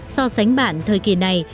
so sánh bạn thời kỳ này